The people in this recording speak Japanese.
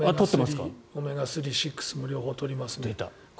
オメガ３、６も取りますね。